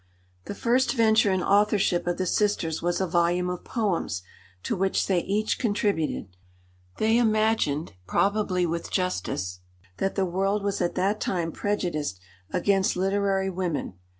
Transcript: The first venture in authorship of the sisters was a volume of poems, to which they each contributed. They imagined, probably with justice, that the world was at that time prejudiced against literary women.